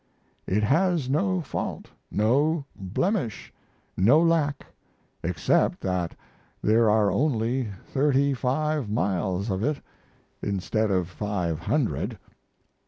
It has no fault, no blemish, no lack, except that there are only thirty five miles of it, instead of five hundred.